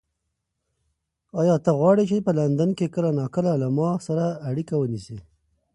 ایا ته غواړې چې په لندن کې کله ناکله له ما سره اړیکه ونیسې؟